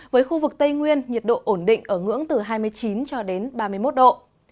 với khu vực tây nguyên nhiệt độ ổn định ở ngưỡng từ hai mươi chín cho đến ba mươi một độ